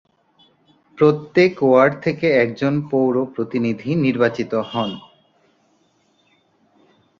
প্রত্যেক ওয়ার্ড থেকে একজন পৌর-প্রতিনিধি নির্বাচিত হন।